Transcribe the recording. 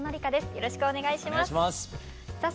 よろしくお願いします。